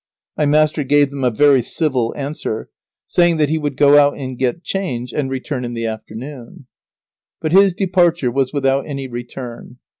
My master gave them a very civil answer, saying that he would go out and get change, and return in the afternoon. But his departure was without any return.